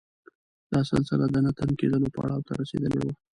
دا سلسله د نه تم کېدلو پړاو ته رسېدلې وه.